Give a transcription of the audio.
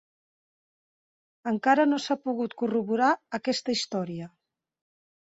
Encara no s'ha pogut corroborar aquesta història.